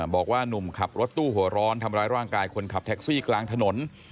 บอกว่านุ่มขับรถตู้หัวร้อนทำร้ายร่างกายคนขับแท็กซี่กลางถนน